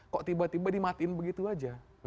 kok tiba tiba dimatiin begitu aja